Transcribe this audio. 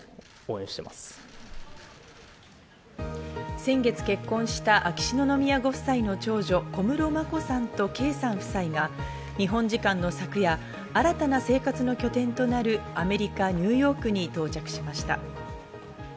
先月結婚した秋篠宮ご夫妻の長女・小室眞子さんと圭さん夫妻が日本時間の昨夜、新たな生活の拠点となるアメリカ・ニューヨークに到着しました。